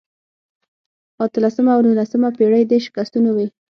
اتلسمه او نولسمه پېړۍ د شکستونو وې.